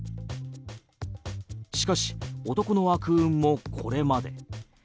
しかし男の悪運もこれまで。